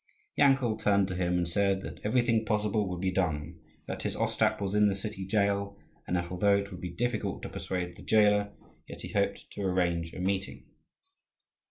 Yankel turned to him and said that everything possible would be done; that his Ostap was in the city jail, and that although it would be difficult to persuade the jailer, yet he hoped to arrange a meeting.